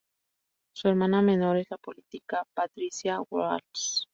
Su hermana menor es la política Patricia Walsh.